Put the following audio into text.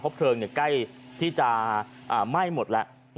เพราะเพลิงใกล้ที่จะไหม้หมดแล้ว